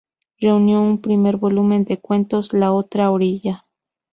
Reunió un primer volumen de cuentos, "La otra orilla".